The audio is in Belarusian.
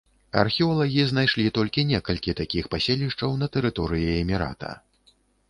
Археолагі знайшлі толькі некалькі такіх паселішчаў на тэрыторыі эмірата.